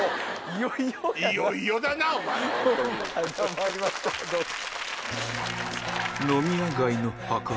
まいりましょうどうぞ。